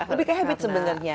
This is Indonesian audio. lebih ke habit sebenarnya